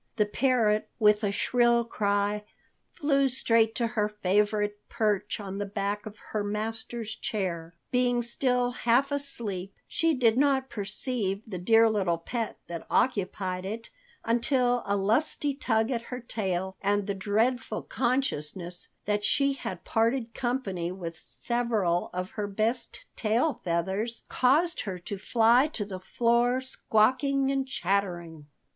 The parrot, with a shrill cry, flew straight to her favorite perch on the back of her master's chair. Being still half asleep, she did not perceive the dear little pet that occupied it until a lusty tug at her tail and the dreadful consciousness that she had parted company with several of her best tail feathers caused her to fly to the floor, squawking and chattering.